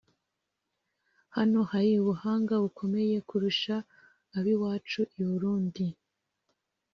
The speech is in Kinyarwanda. Hano hari ubuhanga bukomeye kurusha ab’iwacu i Burundi